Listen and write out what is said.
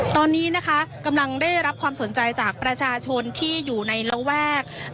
ตอนนี้นะคะกำลังได้รับความสนใจจากประชาชนที่อยู่ในระแวก